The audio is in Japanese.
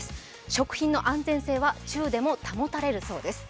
食品の安全性は中でも保たれるそうです。